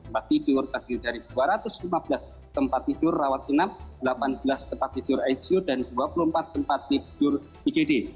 dua ratus lima puluh tujuh tempat tidur dari dua ratus lima belas tempat tidur rawat enam delapan belas tempat tidur icu dan dua puluh empat tempat tidur igd